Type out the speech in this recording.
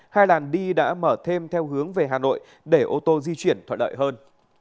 hai đàn đi đã mở thêm theo hướng về hà nội để ô tô di chuyển thoại đợi hơn